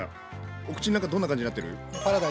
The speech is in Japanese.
お口ん中どんな感じになってる？